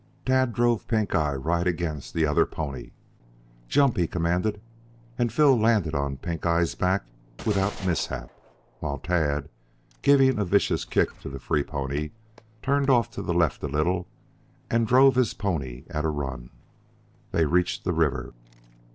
Tad drove Pink eye right against the other pony. "Jump!" he commanded, and Phil landed on Pink eye's back without mishap, while Tad, giving a vicious kick to the free pony, turned off to the left a little and drove his pony at a run. They reached the river.